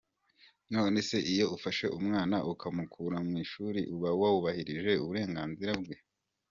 None se iyo ufashe umwana ukamukura mu ishuri uba wubahirije uburenganzira bwe ?